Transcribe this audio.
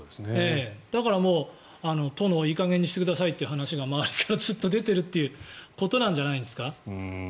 だからもう、殿いい加減にしてくださいという話が周りからずっと出てきているということじゃないですか。